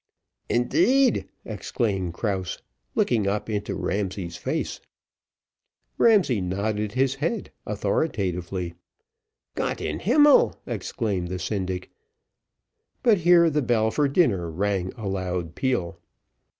"Indeed!" exclaimed Krause, looking up into Ramsay's face. Ramsay nodded his head authoritatively. "Gott in himmel!" exclaimed the syndic; but here the bell for dinner rang a loud peal.